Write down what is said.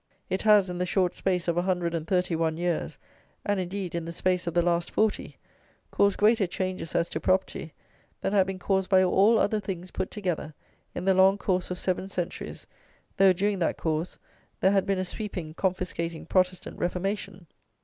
It has, in the short space of a hundred and thirty one years, and, indeed, in the space of the last forty, caused greater changes as to property than had been caused by all other things put together in the long course of seven centuries, though during that course there had been a sweeping, confiscating Protestant reformation.